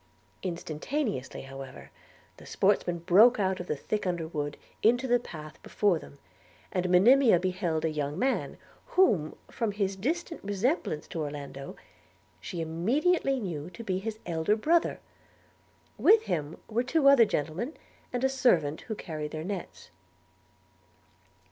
Instantaneously, however, the sportsmen broke out of the thick underwood into the path before them, and Monimia beheld a young man, whom, from his distant resemblance to Orlando, she immediately knew to be his elder brother. With him were two other gentlemen, and a servant who carried their nets.